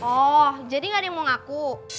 oh jadi gak ada yang mau ngaku